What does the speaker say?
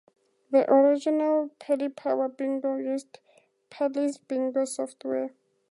The original "Paddy Power Bingo" used Parlay's bingo software.